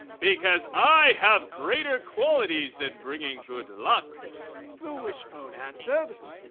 "Because I have greater qualities than bringing good luck!" the wishbone answered.